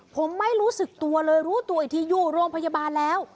ผมไม่รู้สึกตัวเลยรู้ตัวอีกทีอยู่โรงพยาบาลแล้ว